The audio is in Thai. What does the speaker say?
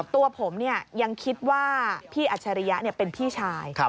ตัวผมยังคิดว่าพี่อัจฉริยะเป็นพี่ชาย